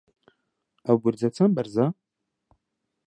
ئەو بورجە چەند بەرزە؟